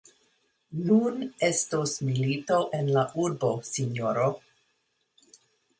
Nun estos milito en la urbo, sinjoro!